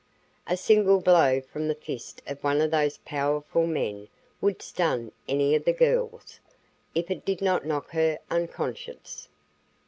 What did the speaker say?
A single blow from the fist of one of those powerful men would stun any of the girls, if it did not knock her unconscious.